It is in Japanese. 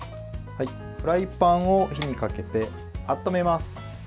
フライパンを火にかけて温めます。